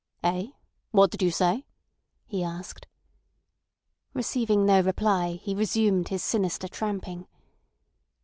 "Eh? What did you say?" he asked. Receiving no reply, he resumed his sinister tramping.